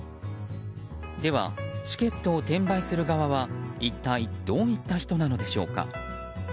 では、チケットを転売する側は一体どういった人なのでしょうか。